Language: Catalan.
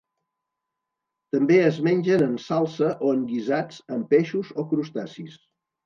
També es mengen en salsa o en guisats amb peixos o crustacis.